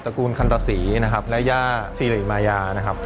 กูลคันตศรีนะครับและย่าสิริมายานะครับ